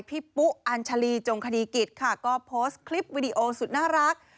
ปุ๊อัญชาลีจงคดีกิจค่ะก็โพสต์คลิปวิดีโอสุดน่ารัก